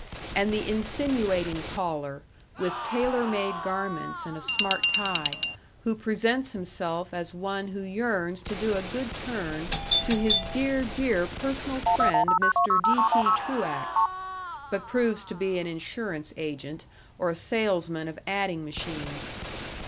And the insinuating caller, with tailor made garments and a smart tie, who presents himself as one who yearns to do a good turn to his dear, dear personal friend, Mr. D. T. Truax, but proves to be an insurance agent or a salesman of adding machines.